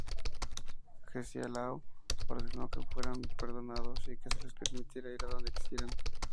Agesilao ordenó que fueran perdonados y que se les permitiera ir a dónde quisieran.